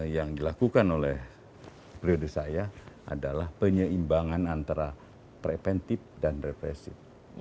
yang dilakukan oleh periode saya adalah penyeimbangan antara preventif dan represif